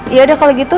yaudah kalau gitu